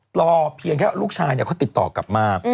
รอเพียงแค่ลูกชายเขาติดต่อกลับมา